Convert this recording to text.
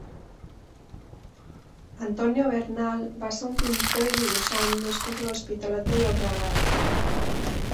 Antonio Bernal va ser un pintor i dibuixant nascut a l'Hospitalet de Llobregat.